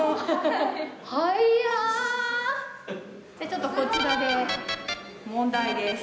ちょっとこちらで問題です。